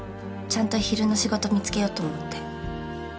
ちゃんと昼の仕事見つけようと思って。